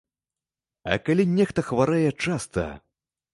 А калі нехта хварэе часта?